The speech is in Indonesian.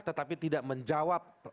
tetapi tidak menjawab